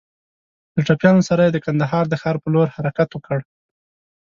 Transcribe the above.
له ټپيانو سره يې د کندهار د ښار په لور حرکت وکړ.